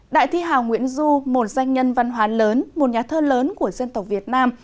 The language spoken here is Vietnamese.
đại thi hào nguyễn du một doanh nhân văn hóa lớn một nhà thơ lớn của dân tộc việt nam